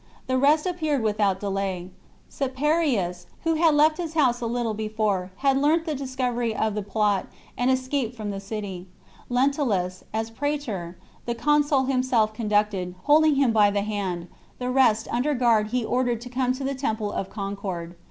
The rest appeared without delay ; Caeparius, who had left his house a little be fore, had learnt the discovery of the plot, and escaped from the city. Lentulus, as praetor, the consul him THE CONSPIRACY OF CATILINE. 39 self conducted, holding him by the hand, the rest ^xvf' under guard he ordered to come to the temple of Concord.